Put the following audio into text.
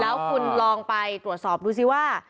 แล้วคุณลองไปตรวจสอบดูซิว่า